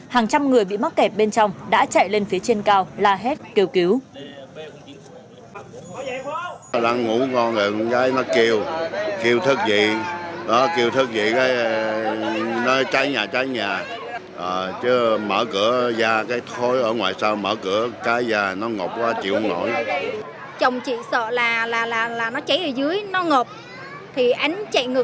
hàng trăm người bị mắc kẹp bên trong đã chạy lên phía trên cao là hết kiều cứu